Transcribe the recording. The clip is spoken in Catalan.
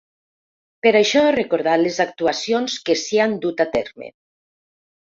Per això ha recordat les actuacions que s’hi han dut a terme.